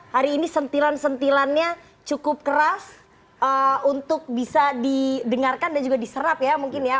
hari ini sentilan sentilannya cukup keras untuk bisa didengarkan dan juga diserap ya mungkin ya